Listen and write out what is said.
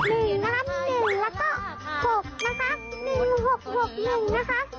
๑นะคะ๑แล้วก็๖นะคะ๑๖๖๑นะคะ